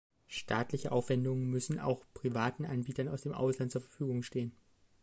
Staatliche Aufwendungen müssen auch privaten Anbietern aus dem Ausland zur Verfügung stehen.